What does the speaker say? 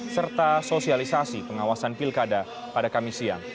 serta sosialisasi pengawasan pilkada pada kamis siang